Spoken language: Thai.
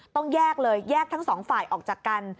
ต้องแยกเลยแยกทั้งสองฝ่ายออกจากกัน